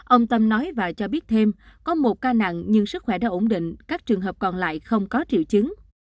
ông tâm nói và cho biết thêm có một ca nặng nhưng sức khỏe đã ổn định các trường hợp còn lại không có triệu chứng